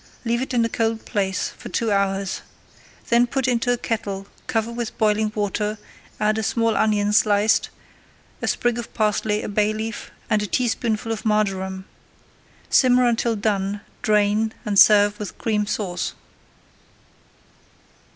Leave it in a cold place for two hours. Then put into a kettle, cover with boiling water, add a small onion sliced, a sprig of parsley, a bay leaf, and a teaspoonful of marjoram. Simmer until done, drain, and serve with Cream Sauce.